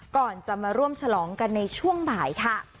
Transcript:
ก่อนจะมาร่วมฉลองกันในช่วงบ่ายค่ะ